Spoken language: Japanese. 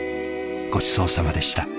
ごちそうさまでした。